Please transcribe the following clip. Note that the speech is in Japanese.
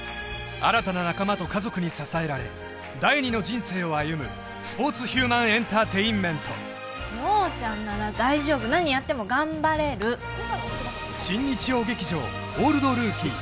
新たな仲間と家族に支えられ第２の人生を歩むスポーツヒューマンエンターテインメント亮ちゃんなら大丈夫何やっても頑張れる新日曜劇場「オールドルーキー」